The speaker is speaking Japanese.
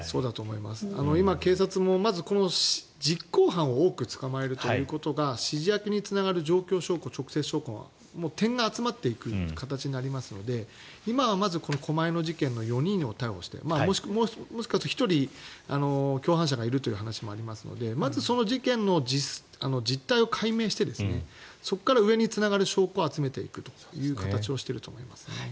今、警察もまずこの実行犯を多く捕まえることが指示役につながる状況証拠、直接証拠点が集まっていく形になりますので今はまず狛江の事件の４人を逮捕して１人、共犯者がいるという話もありますのでまずその事件の実態を解明してそこから上につながる証拠を集めているという形をしていると思います。